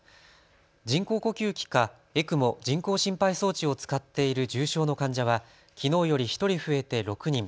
人工呼吸器かＥＣＭＯ・人工心肺装置を使っている重症の患者はきのうより１人増えて６人。